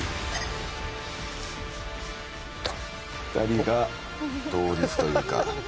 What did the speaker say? ２人が同率というか。